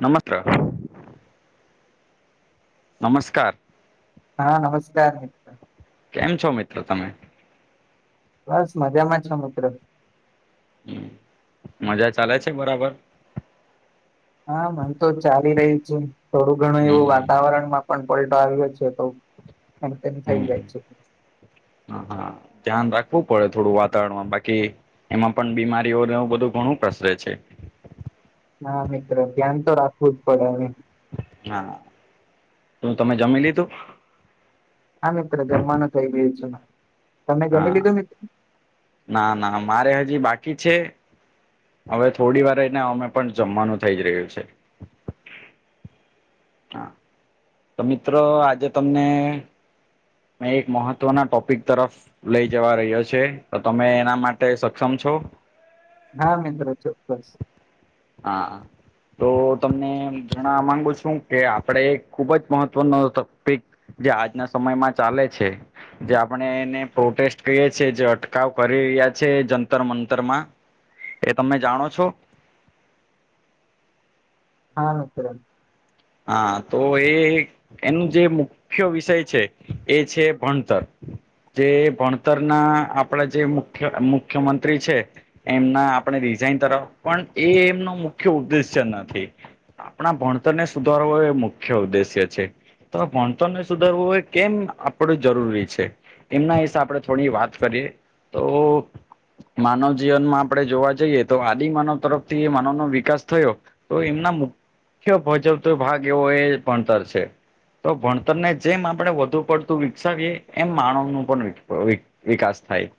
નમસ્ત્ર નમસ્કાર હા નમસ્કારિત કેમ છો મિત્રો તમે બસ મજામાં છો મિત્રો હમ મજા ચાલે છે બરાબર હા મન તો ચાલી રહી છે થોડું ઘણું એવું વાત હમ વાતાવરણ માં પણ પલટો આવ્યો છે તો એમ થઈ હમ જાય છે હા હા ધ્યાન રાખવું પડે થોડું વાતાવરણમાં બાકી એમાં પણ બીમારીઓ એવું બધું ઘણું પ્રસરે છે ના મિત્ર ધ્યાન તો રાખવું જ પડે હા શું તમે જમી લીધું હા મિત્ર જમવાનું થઇ ગયું છે મારે તમે જમી હા લીધું મિત્ર ના ના મારે હજી બાકી છે હવે થોડી વાર એને અમે પણ જમવાનું થઈ જ રહ્યું છે હા તો મિત્લ્લ આજે તમને મેં એક મહત્વના ટોપિક તરફ લઈ જવા રહ્યો છે તો તમે એના માટે સક્ષમ છો હા મિત્ર ચોકક્સ હા હ તો તમને એમ જણાવવા માંગુ છું કે આપડે ખુબ જ મહત્વનો ટોપિક જે આજના સમયમાં ચાલે છે જે આપણે એને પ્રોટેસ્ટ કરીએ છીએ જે અટકાવ કરી રહ્યા છે જંતર મંતર માં એ તમે જાણો છો હા મિત્ર હા તો એ એનું જે મુખ્ય વિષય છે એ છે ભણતર જે ભણતર ના આપડા જે મુખ્ય મુખ્યમંત્રી છે એમના આપણે રિઝાઇન તરફ પણ એ એમનો મુખ્ય ઉદ્દેશ્ય નથી આપણા ભણતરને સુધારવો એ મુખ્ય ઉદ્દેશ્ય છે તો આ ભણતરને સુધારવું એ કેમ આપડું જરૂરી છે એમના વિશે આપણે થોડી વાત કરીએ તો માનવ જીવનમાં આપણે જોવા જઈએ તો આદિ માનવ તરફથી એ માનવ નો વિકાસ થયો તો એમના મુખ્ય ભજવતો ભાગ એવો એ ભણતર છે તો ભણતરને જેમ આપણે વધુ પડતું વિકસાવીએ એમ માણસ નું પણ વિકાસ થાય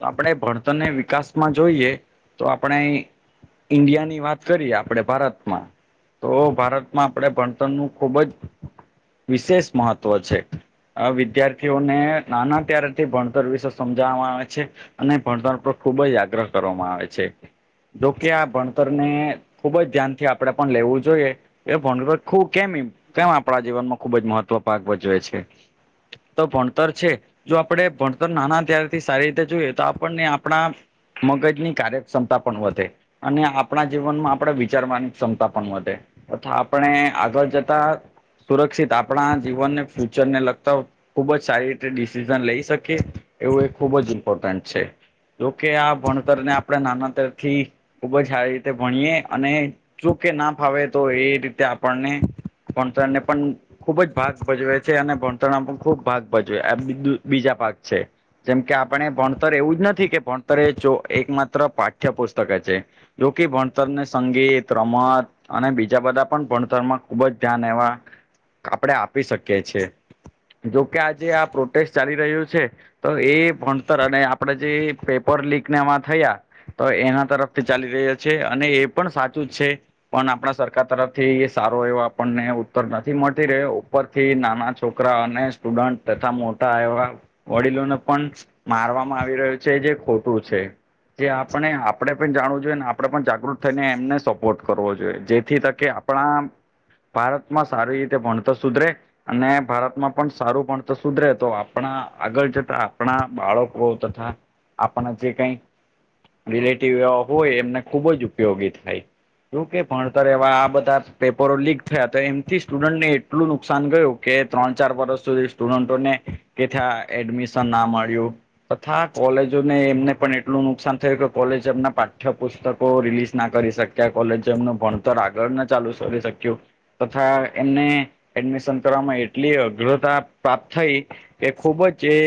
તો આપણે ભણતરને વિકાસમાં જોઈએ તો આપણે ઈન્ડિયા ની વાત કરીએ આપડે ભારતમાં તો ભારતમાં આપણે ભણતરનું ખુબ જ વિશેષ મહત્ત્વ છે વિદ્યાર્થીઓને નાના ત્યારથી ભણતર વિશે સમજાવવામાં આવે છે અને ભણતર પર ખુબ જ આગ્રહ કરવામાં આવે છે જોકે આ ભણતર ને ખુબ જ ધ્યાનથી આપણે પણ લેવું જ જોઈએ એ ભણતર કેમ કેમ આપણા જીવનમાં ખુબ જ મહત્વ પાક ભજવે છે તો ભણતર છે જો આપણે ભણતર નાના ત્યારથી સારી રીતે જોઈએ તો આપણને આપણા મગજની કાર્યક્ષમતા પણ વધે અને આપણા જીવનમાં આપણે વિચારવાની ક્ષમતા પણ વધે તથા આપણે આગળ જતા સુરક્ષિત આપણા જીવનને ફ્યુચર ને લગતા ખુબ જ સારી રીતે ડિસિઝન લઈ શકીએ એવું એ ખૂબ જ ઇમ્પોર્ટન્ટ છે જોકે આ ભણતરને આપણે નાના ત્યારથી ખુબ જ સારી રીતે ભણીએ અને ચૂકે ના ફાવે તો એ રીતે આપણને ભણતર ને પણ ખુબ જ ભાગ ભજવે છે અને ભણતરમાં પણ ખુબ ભાગ ભજવે આ બીજા ભાગ છે જેમ કે આપણે ભણતર એવું જ નથી કે ભણતર એ એક માત્ર પાઠ્યપુસ્તક છે. જોયો કે ભણતર ને સંગીત રમત અને બીજા બધા પણ ભણતરમાં ખુબ જ ધ્યાન એવા આપણે આપી શકીએ છીએ જોકે આજે આ પ્રોટેસ્ટ ચાલી રહ્યું છે. તો એ ભણતર અને આપણેે જે પેપર લીક ના એમાં થયા તો એના તરફ તે ચાલી રહ્યા છે અને એ પણ સાચું છે. પણ આપણા સરકાર તરફથી એ સારો એવો આપણને ઉત્તર નથી મળતી રહ્યો ઉપર થી નાના છોકરા અને સ્ટુડન્ટ તથા મોટા એવા વડીલોને પણ મારવામાં આવી રહ્યું છે જે ખોટું છે. જે આપણે આપડે પણ જાણવું જોઈએ ને આપણેે પણ જાગૃત થઈ ને એમને સપોર્ટ કરવો જોઈએ જેથી તકે આપણા ભારતમાં સારી રીતે ભણતોર સુધરે અને ભારતમાં પણ સારું પણ તો સુધરે તો આપણા આગળ જતા આપણા બાળકો તથા આપણા જે કઈ રિલેટિવ એવા હોય એમને ખુબ જ ઉપયોગી થાય. જો કે ભણતર એવા આ બધા પેપરો લીક થયા તો એમથી સ્ટુડન્ટને એટલું નુકસાન ગયું. કે ત્રણ ચાર વર્ષ સુધી સ્ટુડન્ટોને કે ત્યાં એડમિશન ના મળ્યું તથા કોલેજોને એમને પણ એટલું નુકસાન થયું કે કોલેજ એમના પાઠ્યપુસ્તક પુસ્તકો રિલીઝ ના કરી શક્યા કોલેજ જેમનું ભણતર આગળ ના ચાલુ કરી શક્યું. તથા એમને એડમિશન કરવામાં એટલી અગ્રતા પ્રાપ્ત થઈ. એ ખુબ જ એ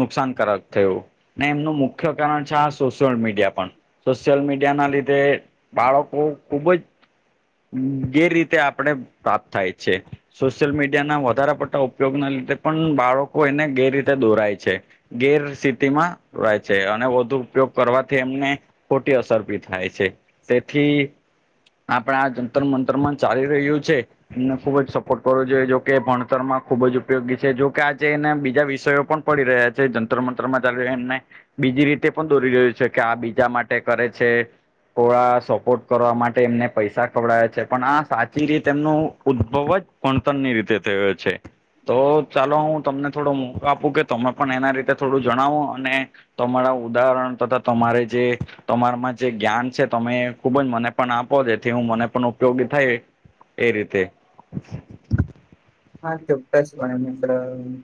નુકસાનકારક થયું. ને એમનું મુખ્ય કારણ છે આ સોશિયલ મીડિયા પણ સોશિયલ મીડિયા ના લીધે બાળક તો ખુબ જ ગેર રીતે આપણે પ્રાપ્ત થાય છે. સોશિયલ મીડિયા ના વધારે પડતા ઉપયોગના લીધે પણ બાળકો એને ગેર રીતે દોરાય છે. ગેર સ્થિતિમાં રહે છે અને વધુ ઉપયોગ કરવાથી એમને ખોટી અસર પી થાય છે. થી આપણા આ જંતર મંતર માં ચાલી રહ્યું છે. એમને ખુબ જ સપોર્ટ કરવો જોઈએ જોકે ભણતર માં ખુબ જ ઉપયોગી છે જોકે આજે એને બીજા વિષયો પણ પડી રહ્યા છે જંતર મંતરમાં ચાલ રહ એમને બીજી રીતે પણ દોરી રહ્યું છે કે આ બીજા માટે કરે છે ઓળા સ સપોર્ટ કરવા માટે એમને પૈસા ખવડાવયાે છે પણ આ સાચી રીત એમનું ઉદ્ભવ જ વણતરન ની રીતે થયો છે. તો ચાલો હું તમને થોડો મોકો આપું કે તમે પણ એના રીતે થોડું જણાવો અને તમારા ઉદાહરણ તથા તમારે જે તમારામાં જે જ્ઞાન છે તમે ખુબજ મને પણ આપો જેથી હું મને પણ ઉપયોગી થઈ એ રીતે હા ચોક્કસપણે મિત્ર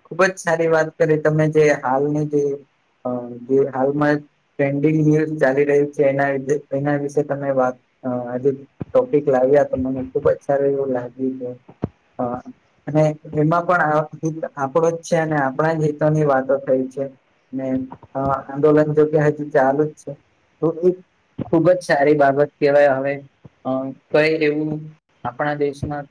ખુબ જ સારી વાત કરી તમે જે હાલની જે હ જે હાલમાં ટ્રેન્ડિંગ ન્યુઝ ચાલી રહ્યું છે એના એના વિશે તમે વાત હજ ટોપિક લાવ્યા તો મને ખુબ જ સારું એવું લાગ્યું કે અ [inaudible] અને એમાં પણ આ હિત આપણો જ છે અને આપણા જ હિતોની વાતો થઈ છે. અને આંદોલન જોગે હજુ ચાલુ જ છે તો એક ખુબ જ સારી બાબત કહેવાય હવે અ કહે એવું આપણા દેશના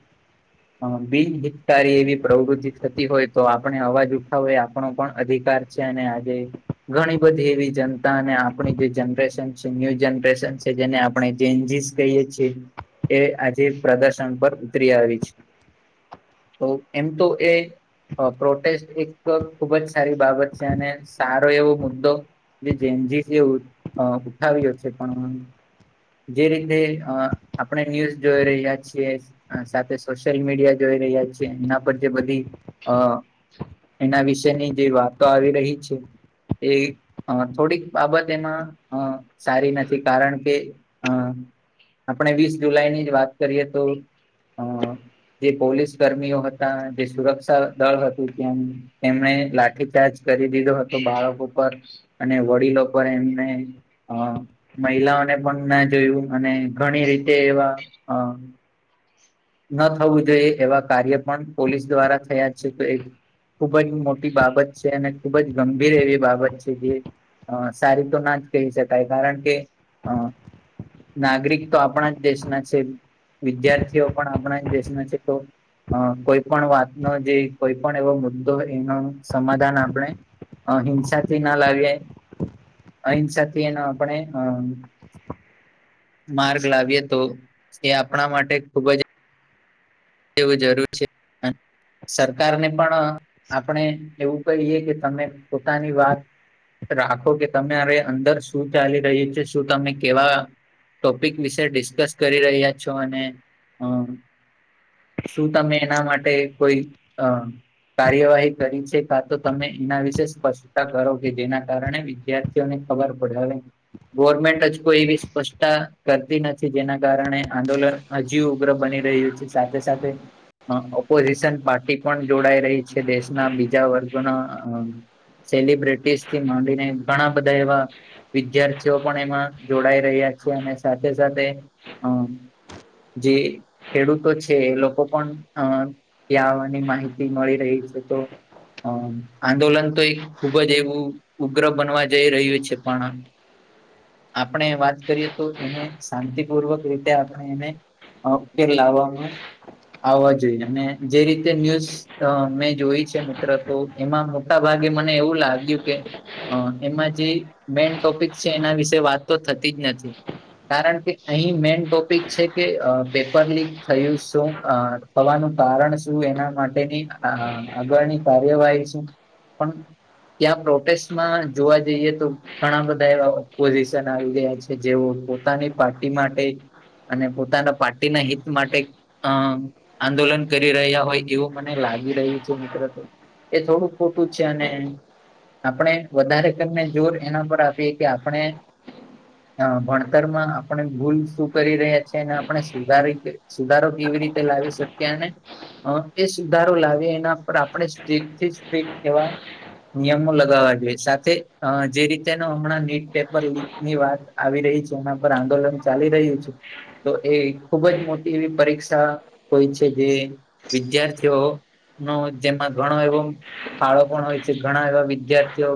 બિનહિત ારી એવી પ્રવૃતિ થતી હોય તો આપણે અવાજ ઉઠાવો એ આપણો પણ અધિકાર છે અને આજે ઘણી બધી એવી જનતા અને આપણી જે જનરેશન છે ન્યુ જનરેશન છે જેને આપણે ચેન્જીસ કહીએીએ એ આજે પ્રદર્શન પર ઉતરી આવી છે. તો એમ તો એ અ પ્રોટેસ્ટ એક ખુબ જ સારી બાબત છે અને સારો એવો મુદ્દો. જે જેનજીસ એ ઉઠાવ્યો છે પણ જે રીતે અ આપણે ન્યૂઝ જોઈ રહ્યા છીએ. સાથે સોશિયલ મીડિયા જોઈ રહ્યા છે એના પર જે બધી અ એના વિશેની જે વાતો આવી રહી છે એ થોડીક બાબત એમાં અ સારી નથી કારણ કે અ આપણે વીસ જુલાઈ ની જ વાત કરીએ તો અ જે પોલીસ કરર્મીઓ હતા જે સુરક્ષા દળ હતું ત્યાં એમણે લાઠીચાર્જ કરી દીધો હતો બાળકો પર અને વડીલો પર એમને હ મહિલાઓને પણ ના જોયું અને ઘણી રીતે એવા હ ન થવું જોઈએ એવા કાર્ય પણ પોલીસ દ્વારા થયા છે તો એ ખુબ જ મોટી બાબત છે અને ખુબ જ ગંભીર એવી બાબત છે જે અ સારી તો ના જ કહી શકાય કારણ કે અ નાગરિક તો આપણા જ દેશના છે વિદ્યાર્થીઓ પણ આપણા જ દેશના છે તો અ કોઈ પણ વાતનો જે કોઈ પણ એવો મુદ્દો એનો સમાધાન આપણે અ હિંસાથી ના લાવિયે અહિંસાથી એનો આપણે અ માર્ગ લાવીએ તો એ આપણા માટે ખુબ જ એવું જરૂર છે અ સરકાર ને પણ આપણે એવું કહીએ કે તમે પોતાની વાત રાખો કે તમારે અંદર શું ચાલી રહ્યું છે શું તમે કેવા ટોપિક વિશે ડિસ્કસ કરી રહ્યા છો અને અ શું તમે એના માટે કોઈ અ કાર્યવાહી કરી છે કા તો તમે એના વિશે સ્પષ્ટતા કરો કે જેના કારણે વિદ્યાર્થીઓને ખબર પડે હવે ગવર્મેન્ટ જ કોઈ એવી સ્પષ્ટતા કરતી નથી જેના કારણે આંદોલન હજીવ ઉગ્ર બની રહ્યું છે સાથે સાથે ઓપોઝિશન પાર્ટી પણ જોડાઈ રહી છે દેશના બીજા વર્ગના સેલિબ્રિટીસ થી માંડીને ઘણા બધા એવા વિદ્યાર્થીઓ પણ એમાં જોડાઈ રહ્યા છે અને સાથે સાથે હમ્મ જે ખેડૂતો છે કે એ લોકો પણ અ ત્યાં આવાની માહિતી મળી રહી છે તો હ આંદોલન તો એક ખુબ જ એવું ઉગ્ર બનવા જઈ રહ્યું છે પણ આપણે વાત કરીએ તો એને શાંતિપૂર્વક રીતે આપણે એને ઓકેલ લાવામાં આવવા જોઈએ અને જે રીતે ન્યૂઝ અ મેં જોઈ છે મિત્ર તો એમાં મોટા ભાગે મને એવું લા કેઉ કે એમાં જે મેન ટોપિક છે એના વિશે વાત તો થતી જ નથી. કારણ કે અહી મેન ટોપિક છે કે પેપર લીક થયુસ શું થવાનું કારણ શું એના માટેની આગળની કાર્યવાહી શું પણ ત્યાં પ્રોફેસમાં જોવા જઈએ તો ઘણા બધા એવા ઓપોઝિશન આવી રહ્યા છે જેઓ પોતાની પાર્ટી માટે અને પોતાના પાર્ટીના હિત માટે અ આંદોલન કરી રહ્યા હોય એવું મને લાગી રહ્યું છે મિત્ર તો એ થોડુંક ખોટું જ છે અને આપણે વધારે કરીને જોર એના પર આપીએ કે આપણે હ ભણતરમાં આપણે ભૂલ શું કરી રહ્યા છીએ અને આપણે સુધારી સુધારો કેવી રીતે લાવી શકીએ અને અ એ સુધારો લાવીએ એના પર આપણે સ્ટ્રીક થી સ્ટ્રીક એવા નિયમો લગાવવા જોઈએ સાથે જે રીતેનો હમણાં નીટ પેપર લીક. ની વાત આવી રહી છે એના પર આંદોલન ચાલી રહ્યું છે. તો એ ખુબ જ મોટી એવી પરીક્ષ તા હોય છે જે વિદ્યાર્થીઓ નો જેમાં ઘણો એવો. ફાળો પણ હોય છે ઘણા એવા વિદ્યાર્થીઓ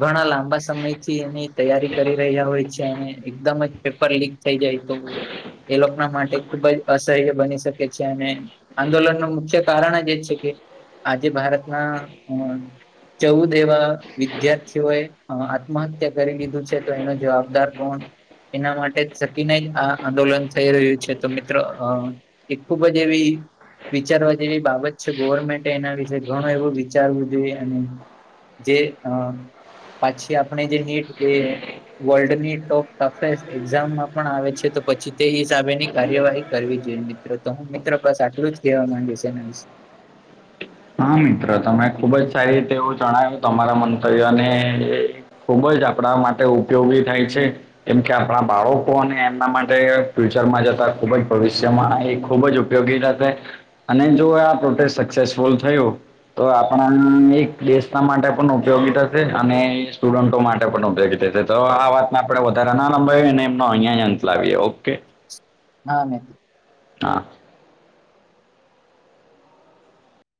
ઘણા લાંબા સમયથી એની. તૈયારી કરી રહ્યા હોય છે. એકદમ જ પેપર લીક થઈ જાય તો એ લોકો ના માટે ખુબ જ સહ્ય બની શકે છે અને આંદોલન ન મુખ્ય કારણ જ એ છે કે. આજે ભારતના અ ચૌદ એવા વિદ્યાર્થીઓએ. આત્મહત્યા કરી લીધું છે તો એનો જવાબદાર કોણ એના માટે સતીના આ આંદોલન થઈ રહ્યું છે તો મિત્ર હ એક ખૂબ જ એવી. વિચારવા જેવી બાબત છે ગવર્મેન્ટ એના વિશેે ઘણો એવું વિચારવું જોઈએ અને. જે પાછી આપણે જે નીટ એ વર્લ્ડની ટોપ સસે એક્ઝામ માં પણ આવે છે તો પછી તે હિસાબેની કાર્યવાહી કરવી જોઈએ મિત્રો તો હું મિત્રો બસ આટલું જ કહેવા માંગી છે ને. હા મિત્ર તમે ખૂબ જ સારી રીતે એવું જણાવ્યું તમારા મંતવ્યોને. ખુબ જ આપણા માટે ઉપયોગી થાય છે. કેમ કે આપણા બાળકો અને એમના માટે ફ્યુચર માં જતા ખુબ જ ભવિષ્યમાં એ ખૂબ જ ઉપયોગી અને જો આ પ્રોટેસ્ટ સક્સેસફુલ થયું. તો આપણા એક દેશતા માટે પણ ઉપયોગી થશે અને સ્ટુડન્ટો માટે પણ ઉપયોગી થશે. તો આ વાતને આપણે વધારે ના લંબાવી અનેને એમનો અહીંયા જ અંત લાવીએ ઓકે. હા મેથી. હા.